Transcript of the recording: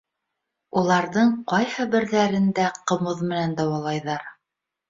Уларҙың ҡайһы берҙәрендә ҡымыҙ менән дауалайҙар.